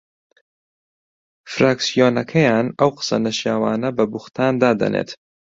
فراکسیۆنەکەیان ئەو قسە نەشیاوانە بە بوختان دادەنێت